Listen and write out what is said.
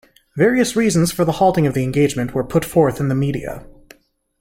Various reasons for the halting of the engagement were put forth in the media.